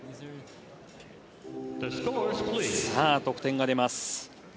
さあ得点が出ます。